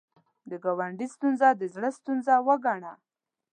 د ګاونډي ستونزه د زړه ستونزه وګڼه